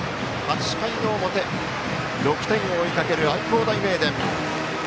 ８回の表６点を追いかける愛工大名電。